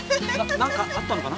なんかあったのかな？